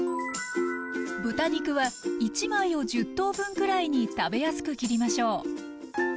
豚肉は１枚を１０等分くらいに食べやすく切りましょう。